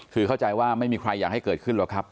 คือเข้าใจว่าไม่มีใครอยากให้เกิดขึ้นหรอกครับ